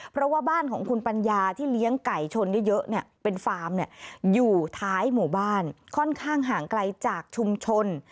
เพราะว่าบ้านของคุณปัญญาที่เลี้ยงไก่ชนได้เยอะเนี่ยเป็นฟาร์มอยู่ท้ายหมู่บ้านค่อนข้างห่างไกลจากชุมชน